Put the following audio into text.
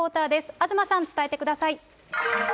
東さん、伝えてください。